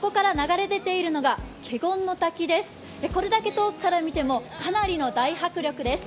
これだけ遠くから見てもかなりの大迫力です。